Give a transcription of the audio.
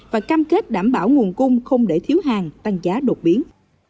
và cam kết đảm bảo nguồn cung không để thiếu hàng tăng giá đột biến